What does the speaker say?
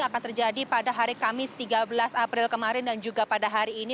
akan terjadi pada hari kamis tiga belas april kemarin dan juga pada hari ini